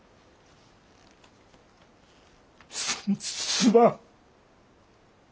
すまん。